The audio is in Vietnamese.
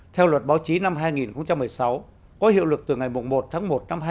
theo luật báo chí năm hai nghìn một mươi sáu có hiệu lực từ ngày một tháng một năm hai nghìn hai mươi